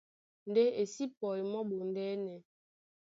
Ndé e sí pɔi mɔ́ ɓondɛ́nɛ.